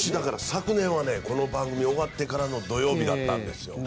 昨年はこの番組が終わってからの土曜日だったんですよ。